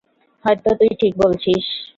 হয়তো তুই ঠিক বলছিস।